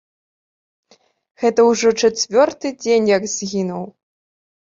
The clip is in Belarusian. Гэта ўжо чацвёрты дзень, як згінуў.